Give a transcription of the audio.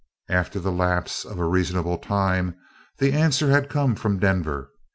After the lapse of a reasonable time, the answer had come from Denver.